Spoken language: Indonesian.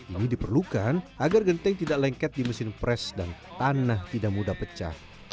ini diperlukan agar genteng tidak lengket di mesin pres dan tanah tidak mudah pecah